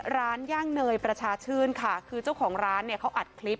ย่างเนยประชาชื่นค่ะคือเจ้าของร้านเนี่ยเขาอัดคลิป